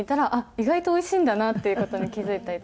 意外とおいしいんだなっていう事に気付いたりとか。